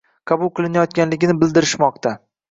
qabul qilayotganligini bildirishmoqda.